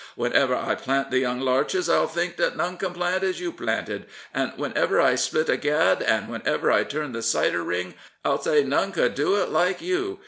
Whenever I plant the young larches I'll think that none can plant as you planted; and whenever I split a gad, and whenever I turn the cider wring. I'll say none could do it like you.